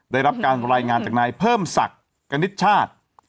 ได้รับการรายงานจากนายเพิ่มศักดิ์กณิตชาติ